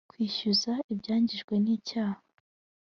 kwishyuza ibyangijwe n icyaha